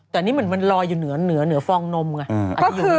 แต่นี่เหมือนมันลอยอยู่เหนือเหนือฟองนมไง